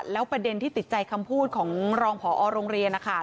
แล้วประเด็นที่ติดใจคำพูดของรองผอโรงเรียนนะคะ